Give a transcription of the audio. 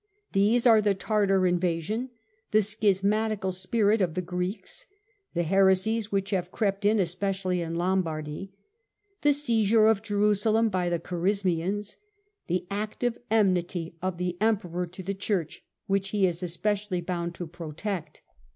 These are the Tartar in vasion ; the schismatical spirit of the Greeks ; the heresies which have crept in, especially in Lombardy ; the seizure of Jerusalem by the Kharizmians ; the active enmity of the Emperor to the Church, which he is especially bound to protect."